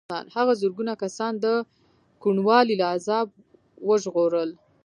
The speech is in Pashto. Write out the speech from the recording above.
هغه زرګونه کسان د کوڼوالي له عذابه وژغورل.